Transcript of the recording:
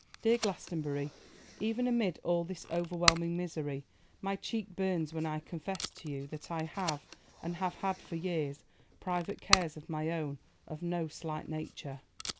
Dear Glastonbury, even amid all this overwhelming misery, my cheek burns when I confess to you that I have, and have had for years, private cares of my own of no slight nature.